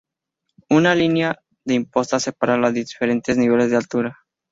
Una línea de impostas separa los diferentes niveles en altura.